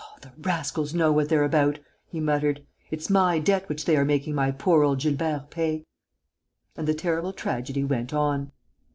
"Oh, the rascals know what they're about!" he muttered. "It's my debt which they are making my poor old Gilbert pay." And the terrible tragedy went on.